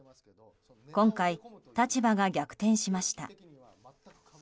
今回、立場が逆転しました。